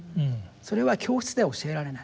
それは教室では教えられない。